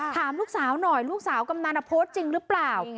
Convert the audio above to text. ถามลูกสาวหน่อยลูกสาวกำนันโพสต์จริงหรือเปล่า